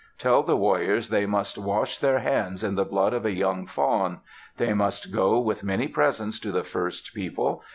Tell the warriors they must wash their hands in the blood of a young fawn. They must go with many presents to the First People.